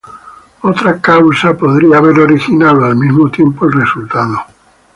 Otra causa podría haber causado al mismo tiempo el resultado.